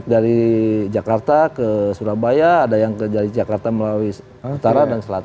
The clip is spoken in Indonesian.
dari jakarta ke surabaya ada yang dari jakarta melalui utara dan selatan